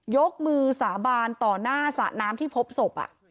ยกมือสาบานต่อหน้าสระน้ำที่พบศพ